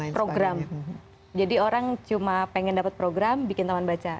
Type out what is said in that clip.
program jadi orang cuma pengen dapat program bikin taman baca